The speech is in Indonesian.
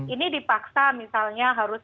ini dipaksa misalnya harus